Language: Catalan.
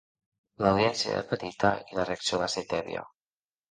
L'audiència era petita i la reacció va ser tèbia.